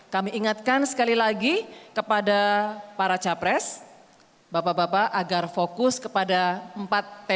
kami ingatkan sekali lagi kepada para capres bapak bapak agar fokus kepada empat pks